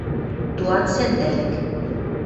Туан сӓндӓлӹк